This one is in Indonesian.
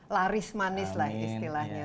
laris manis lah istilahnya